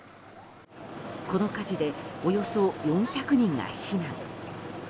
この火事でおよそ４００人が避難。